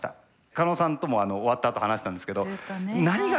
狩野さんとも終わったあと話したんですけど。